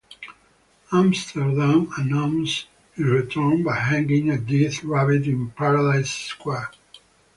Amsterdam announces his return by hanging a dead rabbit in Paradise Square.